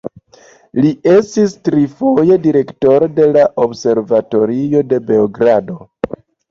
Li estis tri foje direktoro de la Observatorio de Beogrado.